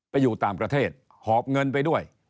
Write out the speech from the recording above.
ไปอยู่ต่างประเทศหอบเงินไปด้วย